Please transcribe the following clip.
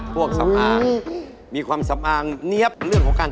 เพชร